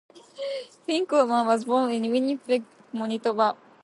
Finkleman was born in Winnipeg, Manitoba.